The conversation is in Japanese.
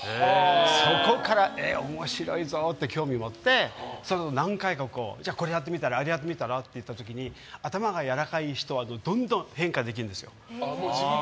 そこから面白いぞって興味を持って、何回かこれやってみたらあれやってみたらって言った時に頭がやわらかい人はどんどん変化できるんですよ。